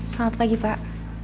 selamat pagi pak